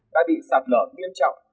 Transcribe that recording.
đã bị sạt lở nghiêm trọng